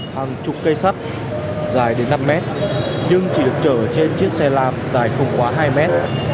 hàng chục cây sắt dài đến năm mét nhưng chỉ được chở trên chiếc xe lam dài không quá hai mét